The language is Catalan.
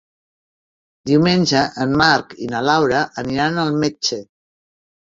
Diumenge en Marc i na Laura aniran al metge.